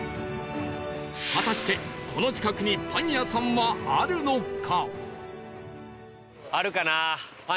果たしてこの近くにパン屋さんはあるのか？